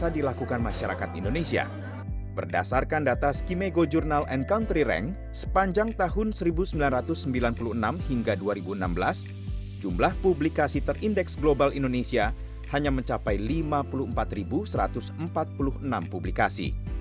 berdasarkan data skimego journal and country rank sepanjang tahun seribu sembilan ratus sembilan puluh enam hingga dua ribu enam belas jumlah publikasi terindeks global indonesia hanya mencapai lima puluh empat satu ratus empat puluh enam publikasi